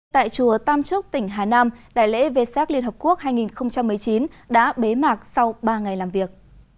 tại chùa tam trúc tỉnh hà nam đại lễ vê sát liên hợp quốc hai nghìn một mươi chín đã bế mạc sau ba ngày làm việc